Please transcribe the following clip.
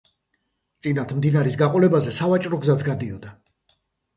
წინათ მდინარის გაყოლებაზე სავაჭრო გზაც გადიოდა.